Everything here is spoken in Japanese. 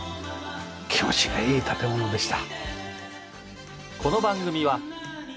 気持ちがいい建物でした。